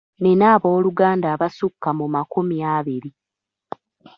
Nnina abooluganda abasukka mu makumi abiri.